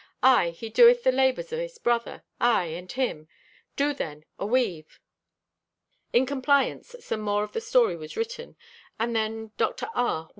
Aye, he doeth the labors o' his brother, aye, and him. Do then, aweave." In compliance some more of the story was written, and then Dr. R.